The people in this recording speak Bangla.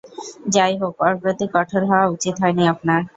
যাই হোক, ওর প্রতি কঠোর হওয়া উচিত হয়নি আপনার।